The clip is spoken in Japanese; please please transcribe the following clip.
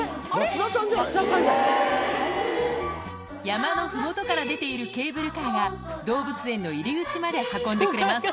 山の麓から出ているケーブルカーが動物園の入り口まで運んでくれます